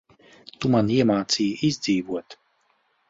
Tu man iemācīji izdzīvot.